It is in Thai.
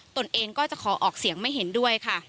ตนเองก็จะขอออกเสียงไม่เห็นด้วยค่ะ